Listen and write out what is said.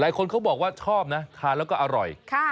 เขาบอกว่าชอบนะทานแล้วก็อร่อย